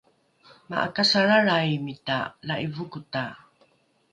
ma’akasalralraimita la’ivokota